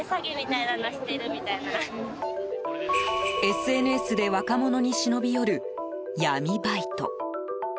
ＳＮＳで若者に忍び寄る闇バイト。